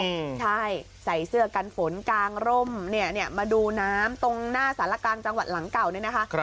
ใช่ใส่เสื้อกันฝนกางร่มเนี่ยมาดูน้ำตรงหน้าสารกลางจังหวัดหลังเก่าเนี่ยนะคะ